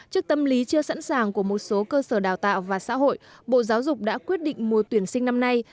trước tâm lý chưa sẵn sàng của một số cơ sở đào tạo và xã hội bộ giáo dục đã quyết định mùa tuyển sinh năm nay